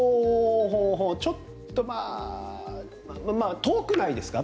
ちょっと、まあ遠くないですか。